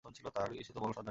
কিছু তো বল, সর্দারনী?